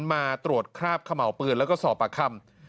มาตรวจคราบเขม่าวปืนแล้วก็สอบปากคำ